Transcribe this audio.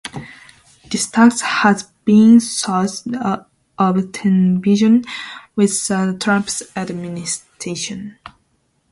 This tax has been sources of tensions with the Trump administration.